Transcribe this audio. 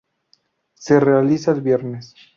Se realiza el viernes.